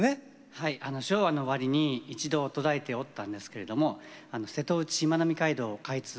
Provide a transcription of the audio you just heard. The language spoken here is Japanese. はいあの昭和の終わりに一度途絶えておったんですけれども瀬戸内しまなみ海道開通